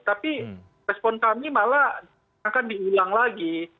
tapi respon kami malah akan diulang lagi